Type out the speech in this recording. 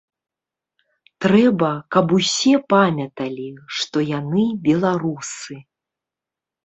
Трэба, каб усе памяталі, што яны беларусы.